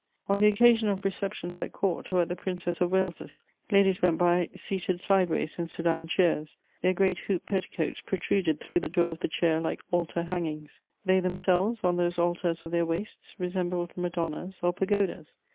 On the occasion of receptions at Court or at the Princess of Wales's, ladies went by seated sideways in Sedan chairs; their great hoop petticoats protruded through the door of the chair like altar hangings. They themselves, on those altars of their waists, resembled madonnas or pagodas.